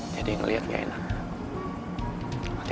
jadi melihatnya enak